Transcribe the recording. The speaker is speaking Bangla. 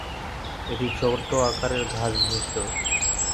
এটি ছোট আকারের ঘাস বিশিষ্ট।